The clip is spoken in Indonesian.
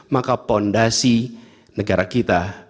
maka fondasi negara kita